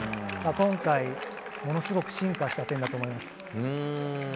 今回、ものすごく進化した点だと思います。